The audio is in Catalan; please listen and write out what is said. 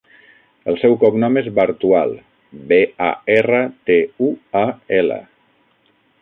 El seu cognom és Bartual: be, a, erra, te, u, a, ela.